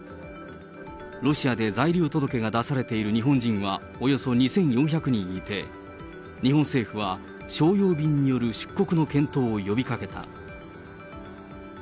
ロシアで在留届が出されている日本人はおよそ２４００人いて、日本政府は、商用便による出国の検討を呼びかけた。